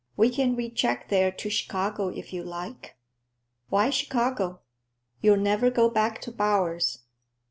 We can recheck there to Chicago, if you like. Why Chicago? You'll never go back to Bowers.